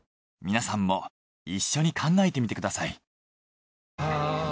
皆さんも一緒に考えてみてください。